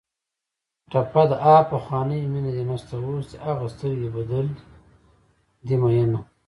ټپه ده: ها پخوانۍ مینه دې نشته اوس دې هغه سترګې بدلې دي مینه